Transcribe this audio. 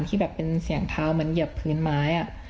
ที่แบบเป็นเสียงเท้าเหมือนเหยียบพื้นไม้